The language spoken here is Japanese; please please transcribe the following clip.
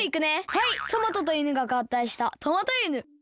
はいトマトといぬががったいしたトマトいぬ。